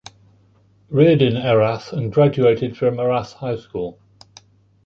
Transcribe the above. Reared in Erath and graduated from Erath High School.